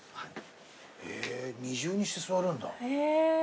え二重にして座るんだ。